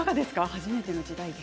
初めての時代劇。